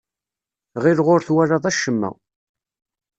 Ɣileɣ ur twalaḍ acemma.